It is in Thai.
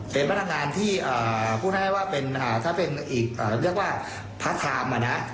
เป็นพนักงานที่พูดให้ว่าเป็นถ้าเป็นอีกเรียกว่าพัฒนามานะ